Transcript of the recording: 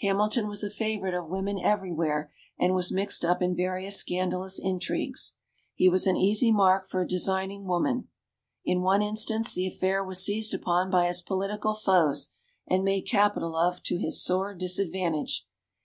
Hamilton was a favorite of women everywhere and was mixed up in various scandalous intrigues. He was an easy mark for a designing woman. In one instance, the affair was seized upon by his political foes, and made capital of to his sore disadvantage.